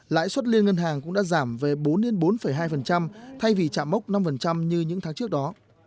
lãi suất liên ngân hàng cũng đã giảm về bốn bốn hai thay vì chạm mốc năm như những tháng trước đó